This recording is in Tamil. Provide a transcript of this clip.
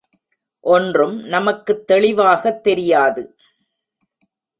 ஒன்றும் நமக்குத் தெளிவாகத் தெரியாது.